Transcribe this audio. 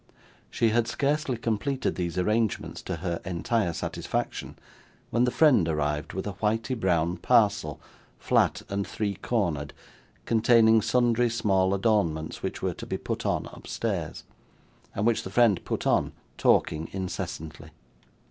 She had scarcely completed these arrangements to her entire satisfaction, when the friend arrived with a whity brown parcel flat and three cornered containing sundry small adornments which were to be put on upstairs, and which the friend put on, talking incessantly.